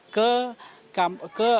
ke kampung pulau